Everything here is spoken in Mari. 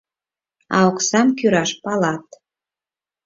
А оксам кӱраш палат.